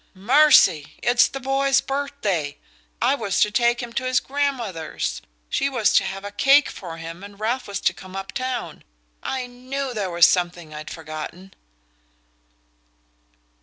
"Mercy! It's the boy's birthday I was to take him to his grandmother's. She was to have a cake for him and Ralph was to come up town. I KNEW there was something I'd forgotten!"